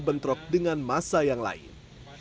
bentrok dengan masa yang lain